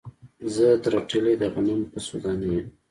زه ترټلي د غنم په څو دانو یم